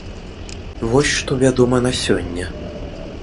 Вось што вядома на сёння.